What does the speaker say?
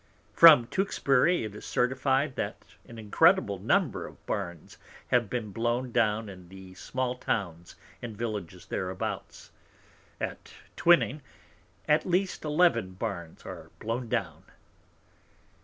From Tewksbury it is certified, that an incredible Number of Barns have been blown down in the small Towns and Villages thereabouts. At Twyning, at least eleven Barns are blown down.